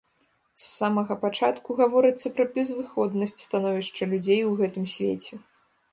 З самага пачатку гаворыцца пра безвыходнасць становішча людзей у гэтым свеце.